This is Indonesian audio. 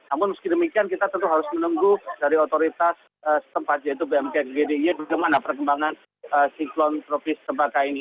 namun meski demikian kita tentu harus menunggu dari otoritas tempat yaitu bmk gdi bagaimana perkembangan siklon tropis sempaka ini